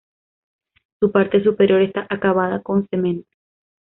Su parte superior está acabada con cemento.